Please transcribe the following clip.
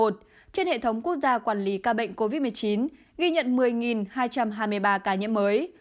trên hệ thống quốc gia quản lý ca bệnh covid một mươi chín ghi nhận một mươi hai trăm hai mươi ba ca nhiễm mới